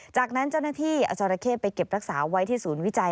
จากนั้นเจ้าหน้าที่เอาจราเข้ไปเก็บรักษาไว้ที่ศูนย์วิจัย